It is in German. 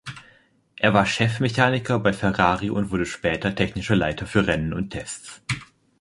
Er war Chefmechaniker bei Ferrari und wurde später Technischer Leiter für Rennen und Tests.